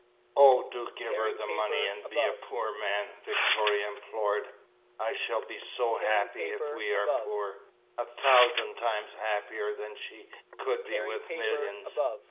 "Oh, do give her the money and be a poor man," Victoria implored. "I shall be so happy if we are poor a thousand times happier than she could be with millions."